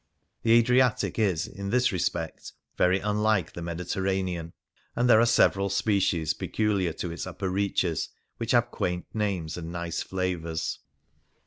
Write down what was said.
The Adriatic is, in this respect, very unlike the Mediterranean, and there are several species peculiar to its upper reaches, which have quaint names and nice flavours.